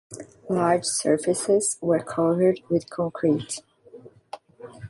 Large surfaces were covered with concrete.